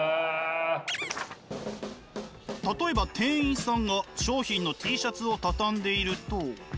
例えば店員さんが商品のＴシャツを畳んでいると。